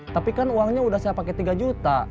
tapi kan uangnya sudah saya pakai tiga juta